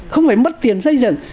không phải mất tiền xây dựng